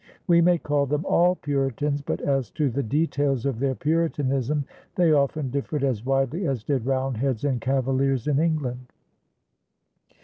We may call them all Puritans, but as to the details of their Puritanism they often differed as widely as did Roundheads and Cavaliers in England.